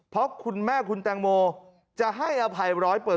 เพราะคุณแม่คุณแตงโมจะให้อภัย๑๐๐